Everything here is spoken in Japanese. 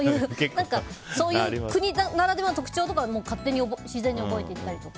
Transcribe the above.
そういう国ならではの特徴とかを勝手に自然に覚えていったりとか。